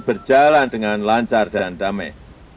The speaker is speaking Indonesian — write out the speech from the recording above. berjalan dengan lancar dan damai